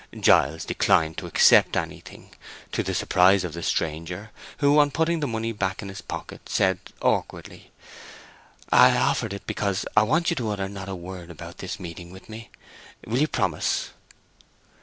Giles declined to accept anything, to the surprise of the stranger, who, on putting the money back into his pocket, said, awkwardly, "I offered it because I want you to utter no word about this meeting with me. Will you promise?"